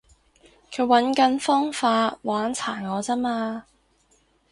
佢搵緊方法玩殘我咋嘛